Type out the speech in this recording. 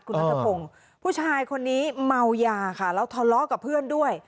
คุณนัทพงศ์ผู้ชายคนนี้เมายาค่ะแล้วทะเลาะกับเพื่อนด้วย